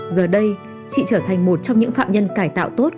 giờ đây chị trở thành một trong những phạm nhân cải tạo tốt